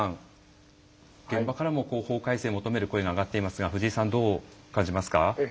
現場からも法改正を求める声が上がっていますが藤井さんどう感じますか？